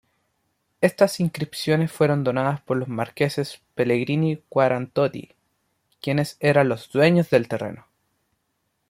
Estas inscripciones fueron donadas por los marqueses Pellegrini-Quarantoti, quienes eran los dueños del terreno.